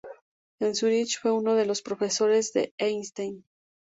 En Zúrich fue uno de los profesores de Einstein.